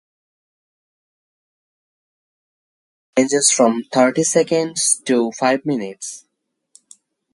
The most satisfactory time ranges from thirty seconds to five minutes.